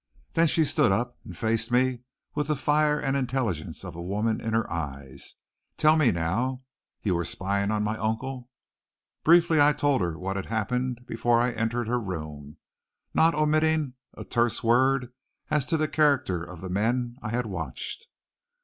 Then she stood up and faced me with the fire and intelligence of a woman in her eyes. "Tell me now. You were spying on my uncle?" Briefly I told her what had happened before I entered her room, not omitting a terse word as to the character of the men I had watched.